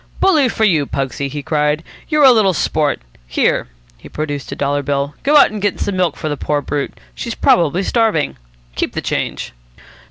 "Bully for you, Pugsy!" he cried. "You're a little sport. Here" he produced a dollar bill "go out and get some milk for the poor brute. She's probably starving. Keep the change."